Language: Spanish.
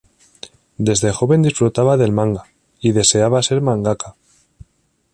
Desde joven disfrutaba del manga y deseaba ser mangaka.